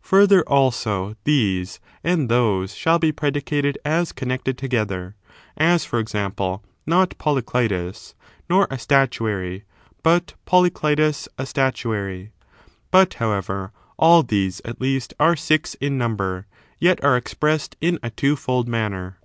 Further, also, these and those shall be predicated as connected together ; as, for example, not Polycletus nor a statuary, but Polycletus a statuary. But, however, all these, at least, are six in number, yet are expressed in a twofold manner.